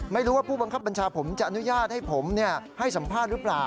ไม่รู้ว่าผู้บังคับบัญชาผมจะอนุญาตให้ผมให้สัมภาษณ์หรือเปล่า